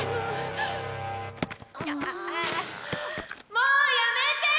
もうやめて！